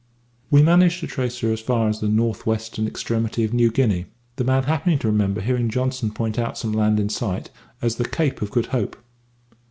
We managed to trace her as far as the north western extremity of New Guinea, the man happening to remember hearing Johnson point out some land in sight as the Cape of Good Hope.